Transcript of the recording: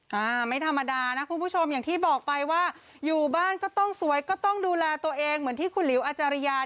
หากโรคโควิด๑๙แล้วก็โรคมายต่างด้วยแล้วกันนะคะ